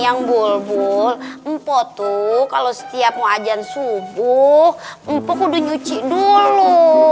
yang bulbul mp dua kalau setiap mau ajan subuh mp dua kuncu dulu